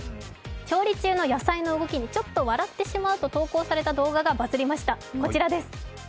調理中の野菜の動きにちょっと笑ってしまうと投稿された動画がバズりました。